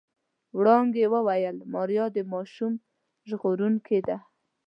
وړانګې وويل ماريا د ماشوم ژغورونکې ده.